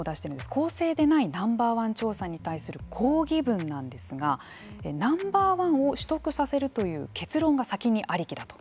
公正でＮｏ．１調査に対する抗議文なんですがＮｏ．１を取得させるという結論が先にありきだと。